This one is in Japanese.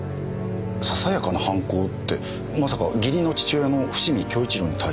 ささやかな反抗ってまさか義理の父親の伏見亨一良に対して？